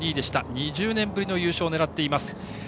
２０年ぶりの優勝を狙っています。